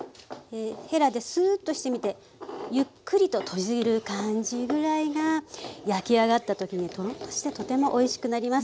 ヘラでスーッとしてみてゆっくりと閉じる感じぐらいが焼き上がった時にトロッとしてとてもおいしくなります。